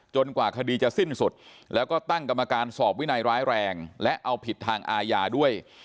กว่าคดีจะสิ้นสุดแล้วก็ตั้งกรรมการสอบวินัยร้ายแรงและเอาผิดทางอาญาด้วย